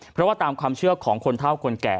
เพราะว่าตามความเชื่อของคนเท่าคนแก่